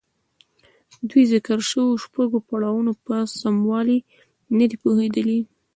دوی د ذکر شويو شپږو پړاوونو پر سموالي نه دي پوهېدلي.